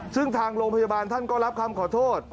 ซึ่งทางโรงพยาบาลท่านก็รับคำขอโทษ